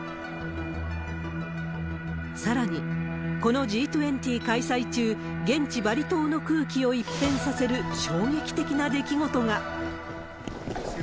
さらに、このＧ２０開催中、現地、バリ島の空気を一変させる衝撃的な出来事が。